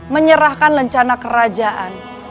menyerahkan rencana kerajaan